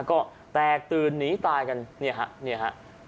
ก็แตกตื่นหนีตายกันเนี่ยฮะเนี่ยฮะ